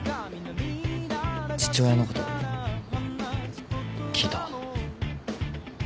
父親のこと聞いた。